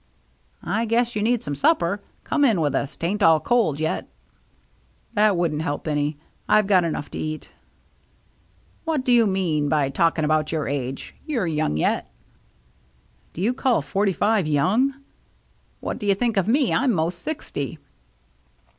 " I guess you need some supper. Come in with us, 'tain't all cold yet." " That wouldn't help any. I've had enough to eat." " What do you mean by talking about your age ? You're young yet." " Do you call forty five young ?" "What do you think of me? I'm most sixty."